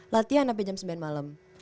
latihan sampe jam sembilan malem